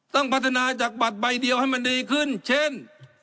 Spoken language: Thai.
ต้องพัฒนาจากบัตรใบเดียวให้มันดีขึ้นเช่น